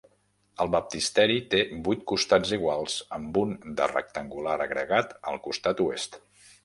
El baptisteri té vuit costats iguals amb un de rectangular agregat al costat oest.